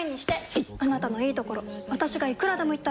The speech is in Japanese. いっあなたのいいところ私がいくらでも言ってあげる！